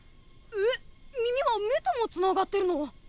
ええっ耳は目ともつながってるの？